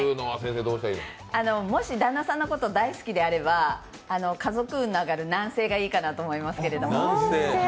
もし旦那さんのことを大好きであれば、家族運の上がる南西がいいかなと思いますけど。